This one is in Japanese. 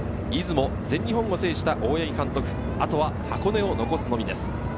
出雲、全日本を制した大八木監督、あとは箱根を残すのみです。